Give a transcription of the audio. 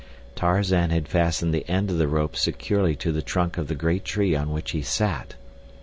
Tarzan had fastened the end of the rope securely to the trunk of the great tree on which he sat.